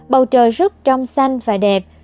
bầu trời rất trong xanh và đẹp